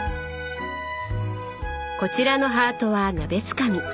こちらのハートは鍋つかみ。